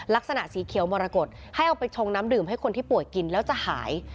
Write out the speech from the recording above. สีเขียวมรกฏให้เอาไปชงน้ำดื่มให้คนที่ป่วยกินแล้วจะหาย